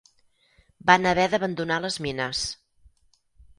Van haver d'abandonar les mines.